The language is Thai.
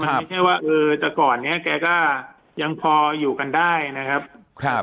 ไม่ใช่ว่าเออแต่ก่อนเนี้ยแกก็ยังพออยู่กันได้นะครับ